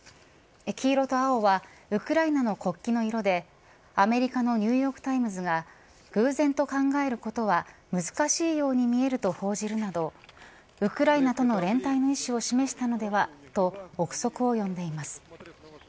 黄色と青はウクライナの国旗の色でアメリカのニューヨーク・タイムズが偶然と考えることは難しいように見えると報じるなどウクライナとの連帯の意思を示したのではと臆測を呼んでいます。